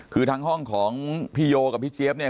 คือทั้งห้องของพี่โยกับพี่เชฟเนี่ย